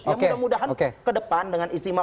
ya mudah mudahan ke depan dengan istimewa